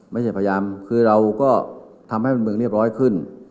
พยายามคือเราก็ทำให้มันเมืองเรียบร้อยขึ้น